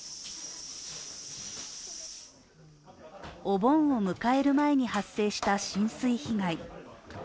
お盆を迎える前に発生した浸水被害。